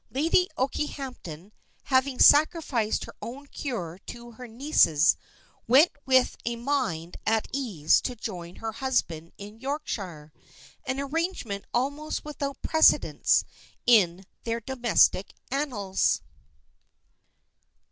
Lady Okehampton, having sacrificed her own cure to her niece's, went with a mind at ease to join her husband in Yorkshire; an arrangement almost without precedent in their domestic annals.